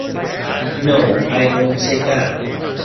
No, I don't say that.